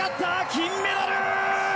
金メダル！